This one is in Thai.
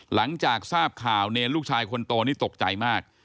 หลังจากทราบข่าวเนรลูกชายคนโตนี่ตกใจมาก